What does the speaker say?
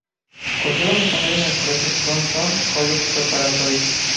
Cursó la secundaria en el colegio Crossroads College Preparatory.